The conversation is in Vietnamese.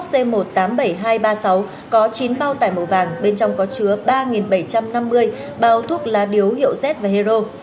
c một trăm tám mươi bảy nghìn hai trăm ba mươi sáu có chín bao tải màu vàng bên trong có chứa ba bảy trăm năm mươi bao thuốc lá điếu hiệu z và hero